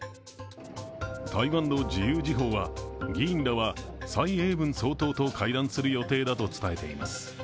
台湾の「自由時報」は議員らは蔡英文総統と会談する予定だと伝えています。